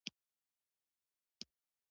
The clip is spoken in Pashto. دا ونې د میوو ډکې دي.